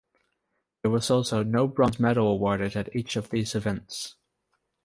There was also no bronze medal awarded at each of these events.